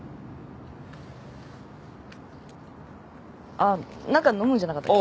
あっ何か飲むんじゃなかったっけ。